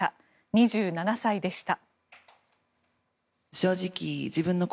２７歳でした。